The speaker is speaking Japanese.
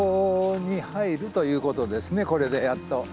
これでやっと。